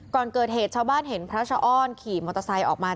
ก่อนเกิดเหตุชาวบ้านเห็นพระชะอ้อนขี่มอเตอร์ไซค์ออกมา